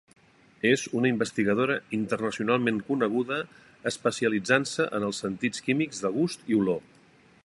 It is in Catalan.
És una investigadora internacionalment coneguda especialitzant-se en els sentits químics de gust i olor.